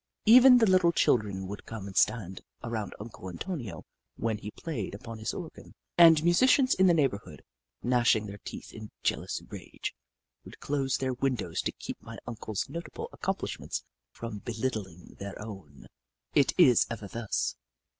Even the little children would come and stand around Uncle Antonio when he played upon his organ, and musicians in the neighbourhood, gnashing their teeth in jeal ous rage, would close their windows to keep my Uncle's notable accomplishments from be littling their own. It is ever thus.